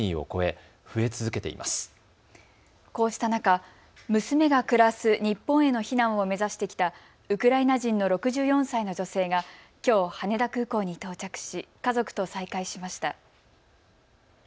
こうした中、娘が暮らす日本への避難を目指してきたウクライナ人の６４歳の女性がきょう羽田空港に到着し家族と再会しました。